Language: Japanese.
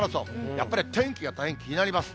やっぱり、天気が大変気になります。